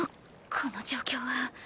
この状況は。